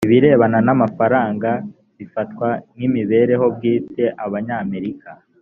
ibirebana n amafaranga bifatwa nk imibereho bwite abanyamerika